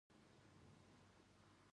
نورستان د افغانستان د کلتوري میراث برخه ده.